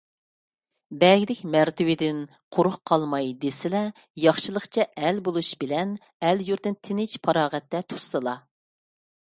بەگلىك مەرتىۋىدىن قۇرۇق قالماي دېسىلە، ياخشىلىقچە ئەل بولۇش بىلەن ئەل - يۇرتنى تىنچ - پاراغەتتە تۇتسىلا!